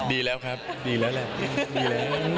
ดีแล้วครับดีแล้วแหละดีแล้ว